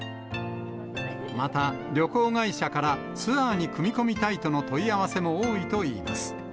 また、旅行会社からツアーに組み込みたいとの問い合わせも多いといいます。